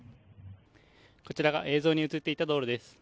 こちらが映像に映っていた道路です。